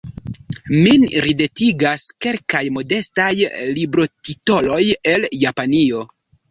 Min ridetigas kelkaj modestaj librotitoloj el Japanio.